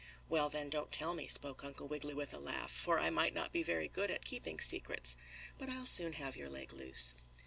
"Well, then, don't tell me," spoke Uncle Wiggily with a laugh, "for I might not be very good at keeping secrets. But I'll soon have your leg loose."